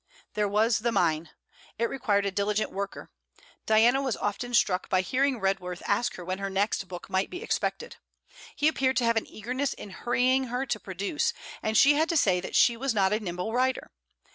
There was the mine. It required a diligent worker. Diana was often struck by hearing Redworth ask her when her next book might be expected. He appeared to have an eagerness in hurrying her to produce, and she had to say that she was not a nimble writer.